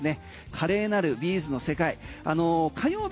華麗なるビーズの世界火曜日